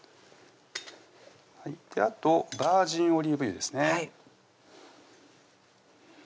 あとバージンオリーブ油ですね